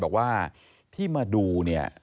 บอกว่าที่มาดูเนี่ย